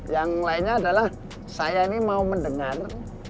yang lainnya adalah saya ini mau mendengar